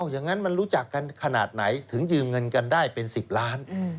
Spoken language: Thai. อย่างนั้นมันรู้จักกันขนาดไหนถึงยืมเงินกันได้เป็น๑๐ล้าน